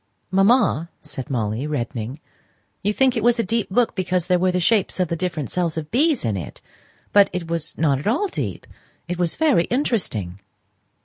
"Mamma," said Molly, reddening, "you think it was a deep book because there were the shapes of the different cells of bees in it! but it was not at all deep. It was very interesting."